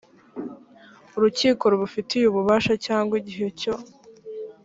urukiko rubifitiye ububasha cyangwa igihe cyo